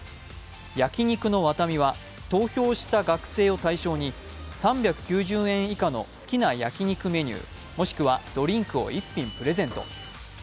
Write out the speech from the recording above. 焼肉の和民は投票した学生を対象に３９０円以下の好きな焼き肉メニュー、もしくはドリンクを１品プレゼント